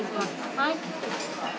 はい。